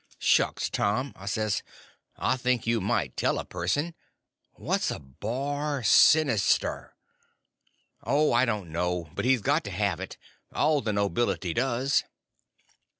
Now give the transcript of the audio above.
"Shucks, Tom," I says, "I think you might tell a person. What's a bar sinister?" "Oh, I don't know. But he's got to have it. All the nobility does."